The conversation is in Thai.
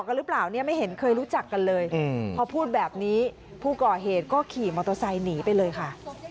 แต่ละจังเปออัปดาห์คนนี้ไม่เห็นเคยรู้จักกันเลยพอพูดแบบนี้ผู้ก่อเหตุก็ขี่มอเตอร์ไซน์หนีไปเลยค่ะ